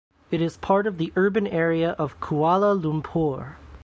It is part of the urban area of Kuala Lumpur.